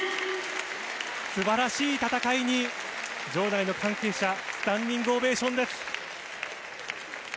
すばらしい戦いに、場内の関係者、スタンディングオベーションです。